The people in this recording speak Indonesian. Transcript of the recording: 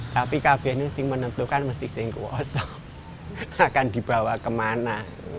tapi kabin yang menentukan mesti yang kuasa akan dibawa kemana